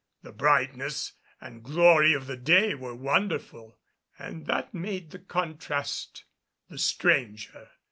The brightness, and glory of the day were wonderful, and that made the contrast the stranger.